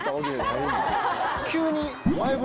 急に。